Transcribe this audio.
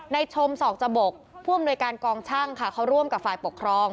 ชมศอกจบกผู้อำนวยการกองช่างค่ะเขาร่วมกับฝ่ายปกครอง